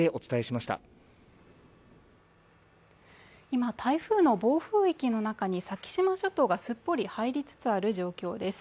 今、台風の暴風域の中に先島諸島がすっぽり入りつつある状況です。